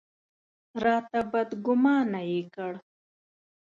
راته بدګومانه یې کړ.